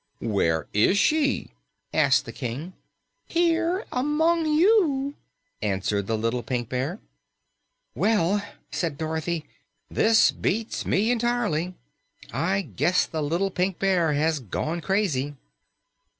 "Where IS she?" asked the King. "Here, among you," answered the little Pink Bear. "Well," said Dorothy, "this beats me entirely! I guess the little Pink Bear has gone crazy."